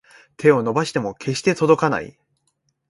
手を伸ばしても決して届かない